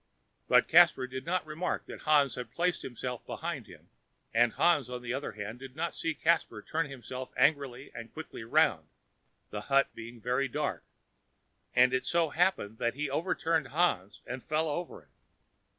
But Caspar did not remark that Hans had placed himself behind him; and Hans, on the other hand, did not see Caspar turn himself angrily and quickly round, the hut being very dark; and it so happened that he overturned Hans and fell over him.